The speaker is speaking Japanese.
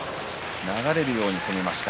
流れるように攻めました。